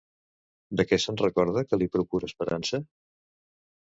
De què se'n recorda, que li procura esperança?